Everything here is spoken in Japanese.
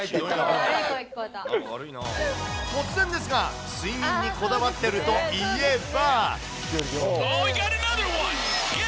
突然ですが、睡眠にこだわってるといえば。